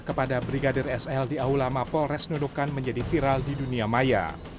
kepada brigadir sl di aulama polres nunukan menjadi viral di dunia maya